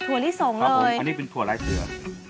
ถั่วลิสงเลยครับผมอันนี้เป็นถั่วไร้เสือ